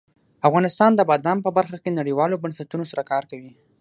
افغانستان د بادام په برخه کې نړیوالو بنسټونو سره کار کوي.